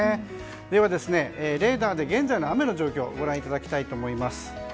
では、レーダーで現在の雨の状況をご覧いただきたいと思います。